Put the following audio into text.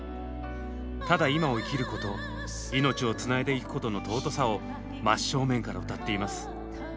ただ今を生きること命をつないでいくことの尊さを真正面から歌っています。